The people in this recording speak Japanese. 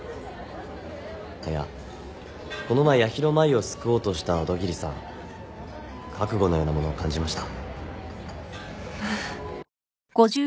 いやこの前八尋舞を救おうとした小田切さん覚悟のようなものを感じました。